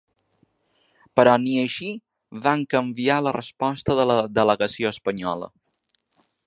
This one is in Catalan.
Però ni així van canviar la resposta de la delegació espanyola.